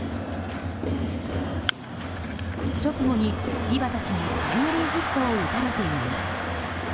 直後に井端氏にタイムリーヒットを打たれています。